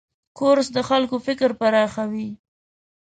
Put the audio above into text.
کورس د خلکو فکر پراخوي.